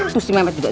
baik sekali mimpu aku